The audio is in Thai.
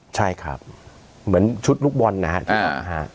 ใช่ครับเหมือนชุดลูกบอลนะครับ